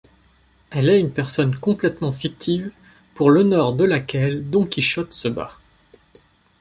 Elle est une personne complètement fictive pour l'honneur de laquelle Don Quichotte se bat.